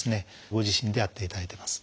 ご自身でやっていただいてます。